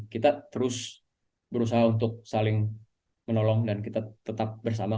kita terus berusaha untuk saling menolong dan kita tetap bersama